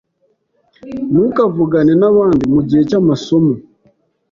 Ntukavugane nabandi mugihe cyamasomo.